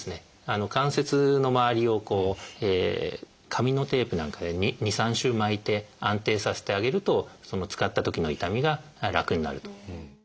関節の周りを紙のテープなんかで２３周巻いて安定させてあげると使ったときの痛みが楽になると。